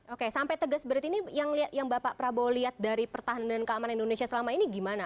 oke sampai tegas berarti ini yang bapak prabowo lihat dari pertahanan dan keamanan indonesia selama ini gimana